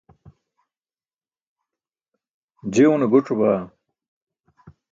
je une guc̣o baa